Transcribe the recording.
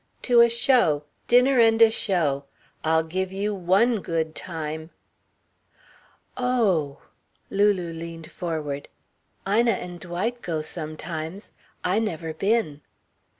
"To a show. Dinner and a show. I'll give you one good time." "Oh!" Lulu leaned forward. "Ina and Dwight go sometimes. I never been."